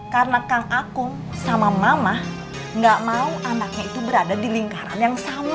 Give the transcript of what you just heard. karena kang akong sama mama gak mau anaknya itu berada di lingkaran yang sama